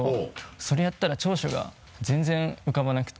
それやったら長所が全然浮かばなくて。